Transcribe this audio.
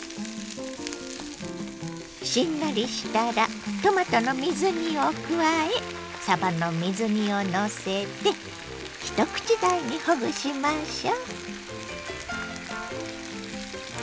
しんなりしたらトマトの水煮を加えさばの水煮をのせて一口大にほぐしましょ。